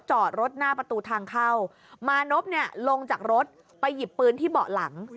จอดรถหน้าประตูทางเข้ามานพเนี่ยลงจากรถไปหยิบปืนที่เบาะหลัง